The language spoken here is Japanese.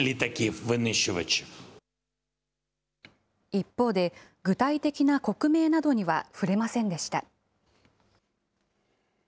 一方で、具体的な国名などには触れませんでした。